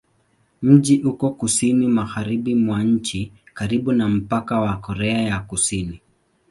Mji uko kusini-magharibi mwa nchi, karibu na mpaka na Korea ya Kusini.